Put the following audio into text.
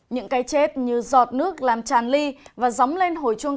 những cây chết như giọt nước làm tràn ly và gióng lên hồi chuông